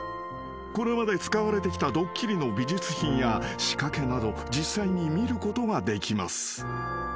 ［これまで使われてきたドッキリの美術品や仕掛けなど実際に見ることができます］